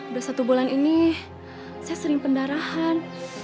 udah satu bulan ini saya sering pendarahan